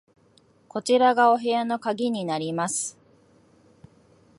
こちらがお部屋の鍵になります。